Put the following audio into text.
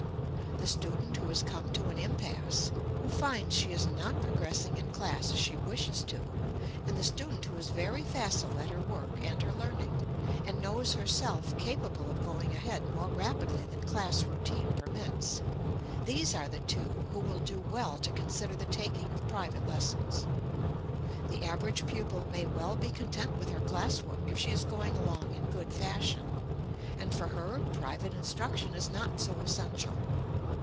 The student who has come to an impasse, who finds she is not progressing in class as she wishes to, and the student who is very facile at her work and her learning, and knows herself capable of going ahead more rapidly than class routine permits these are the two who will do well to consider the taking of private lessons. The average pupil may well be content with her class work if she is going along in good fashion, and for her, private instruction is not so essential.